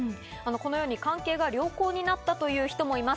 このように関係が良好になったという人もいます。